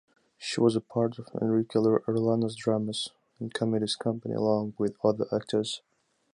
She was a part of Enrique Arellano’s Dramas and Comedies Company, along with other actors.